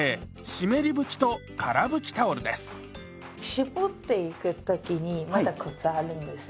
絞っていく時にまたコツあるんですよ。